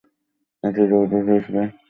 এটি radio telescope নির্মিত এবং নির্মিত গ্রুপ।